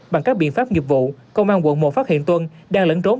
bằng các biện pháp nghiệp vụ công an quận một phát hiện tuân đang lẫn trốn